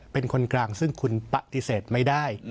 เป็นคนกลางซึ่งคุณปฏิเสธไม่ได้